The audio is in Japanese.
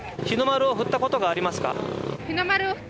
日の丸を振ったことはありますか？